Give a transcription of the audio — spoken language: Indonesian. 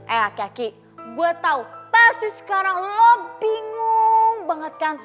eh aki aki gue tau pasti sekarang lo bingung banget kan